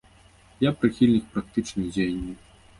Я прыхільнік практычных дзеянняў.